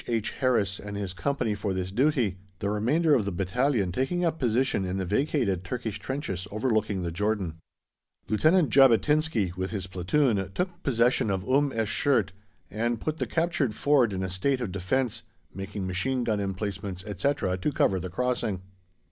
H. Harris and his Company for this duty, the remainder of the battalion taking up position in the vacated Turkish trenches overlooking the Jordan. Lieutenant Jabotinsky, with his platoon, took possession of Umm esh Shert and put the captured ford in a state of defence, making machine gun emplacements, etc., to cover the crossing.